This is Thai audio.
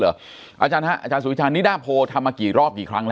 อาจารย์ฮะอาจารย์สุวิชาณนิด้าโพลทำมากี่รอบกี่ครั้งแล้ว